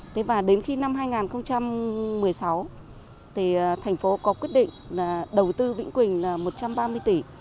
thế và đến khi năm hai nghìn một mươi sáu thì thành phố có quyết định là đầu tư vĩnh quỳnh là một trăm ba mươi tỷ